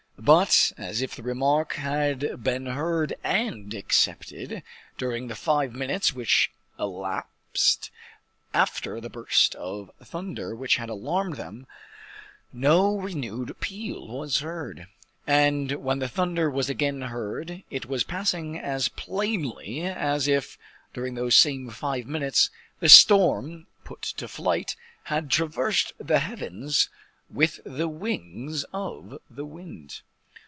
But, as if the remark had been heard and accepted, during the five minutes which elapsed after the burst of thunder which had alarmed them, no renewed peal was heard; and, when the thunder was again heard, it was passing as plainly as if, during those same five minutes, the storm, put to flight, had traversed the heavens with the wings of the wind.